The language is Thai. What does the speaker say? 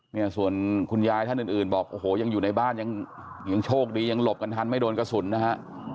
เนี่ยส่วนคุณยายท่านอื่นบอกโอ้โหยังอยู่ในบ้านยังโชคดียังหลบกันทันไม่โดนกระสุนนะฮะ